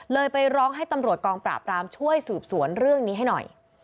ไปร้องให้ตำรวจกองปราบรามช่วยสืบสวนเรื่องนี้ให้หน่อย